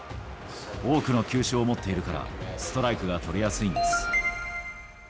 多くの球種を持っているから、ストライクが取りやすいんです。